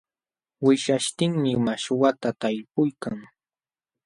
Wishyaśhtinmi mashwata talpuykan.